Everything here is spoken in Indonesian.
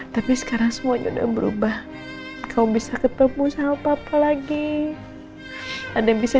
tapi sekarang semuanya udah berubah kau bisa ketemu sama papa lagi ada bisa